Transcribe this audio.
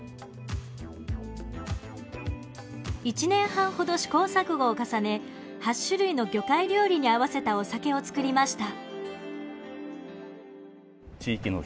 １年半ほど試行錯誤を重ね８種類の魚介料理に合わせたお酒を造りました。